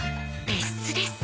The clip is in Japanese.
別室です。